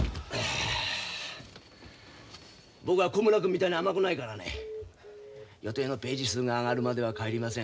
僕は小村くんみたいに甘くないからね予定のページ数が上がるまでは帰りません。